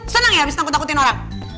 senang ya abis takut takutin orang